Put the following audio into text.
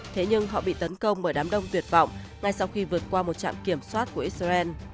thế nhưng họ bị tấn công bởi đám đông tuyệt vọng ngay sau khi vượt qua một trạm kiểm soát của israel